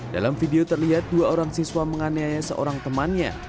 dalam video terlihat dua orang siswa menganiaya seorang temannya